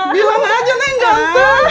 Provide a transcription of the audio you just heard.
bilang aja neng ganteng